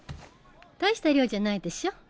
大した量じゃないでしょ？